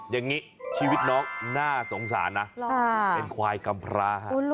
อย่างนี้ชีวิตน้องน่าสงสารนะเป็นควายกำพร้าฮะ